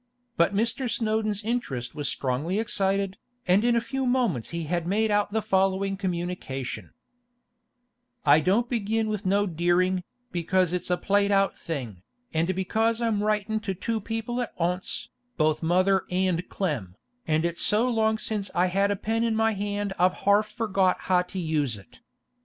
But Mr. Snowdon's interest was strongly excited, and in a few moments he had made out the following communication: 'I don't begin with no deering, because it's a plaid out thing, and because I'm riting to too people at onse, both mother and Clem, and it's so long since I've had a pen in my hand I've harf forgot how to use it.